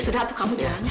sampai muda lagi ah